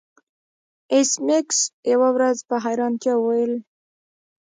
ایس میکس یوه ورځ په حیرانتیا وویل